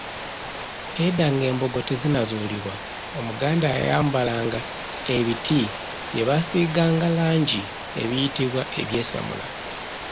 Edda ng'embugo tezinnazuulibwa Omuganda yayambalanga ebiti bye baasiiganga langi ebiyitibwa ebyessamula.